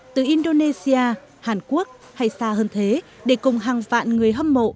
từ indonesia hàn quốc hay xa hơn thế để cùng hàng vạn người hâm mộ